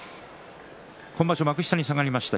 今場所、幕下に下がりました